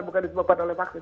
bukan disebabkan oleh vaksin